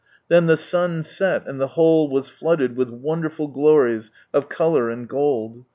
Then the sun set, and the whole was flooded with wonderful glories of colour and gold.